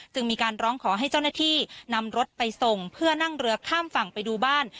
จึงมีการร้องขอให้เจ้าหน้าที่นำรถไปส่งเพื่อนั่งเรือข้ามฝั่งไปดูบ้าน